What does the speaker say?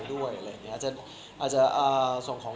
ถูกกำลัง